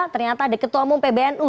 ternyata ada ketua umum pbnu